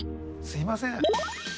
すいません。